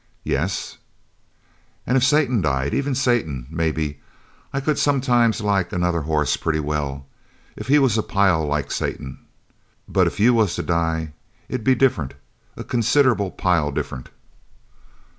"Yes." "An' if Satan died even Satan! maybe I could sometime like another hoss pretty well if he was a pile like Satan! But if you was to die it'd be different, a considerable pile different."